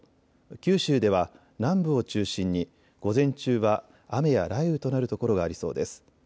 九州では南部を中心に午前中は雨や雷雨となる所がありそうです。